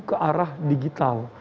ke arah digital